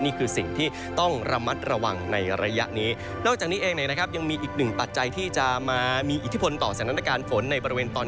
นี่คือสิ่งที่ต้องระมัดระวังในระยะนี้